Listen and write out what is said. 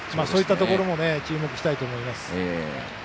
そういったところも注目したいと思います。